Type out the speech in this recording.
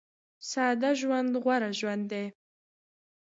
ساده ژوند غوره ژوند دی